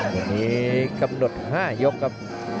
วันนี้กำหนด๕ยกครับ